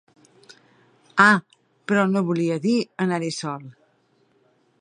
Ah, però no volia dir anar-hi sol!